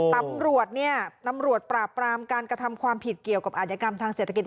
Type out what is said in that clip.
ตำรวจเนี่ยตำรวจปราบปรามการกระทำความผิดเกี่ยวกับอาธิกรรมทางเศรษฐกิจ